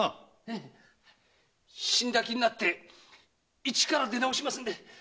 死んだ気になって一から出直しますんで。